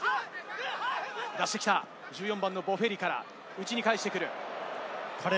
出してきたボフェリから内に返してくる。